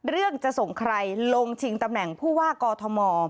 เรื่องจะส่งใครลงถึงตำแหน่งผู้ว่ากอทม